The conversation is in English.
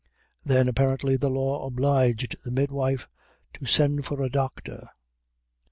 Then, apparently, the law obliged the midwife to send for a doctor.